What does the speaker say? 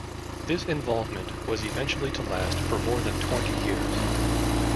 This involvement was eventually to last for more than twenty years.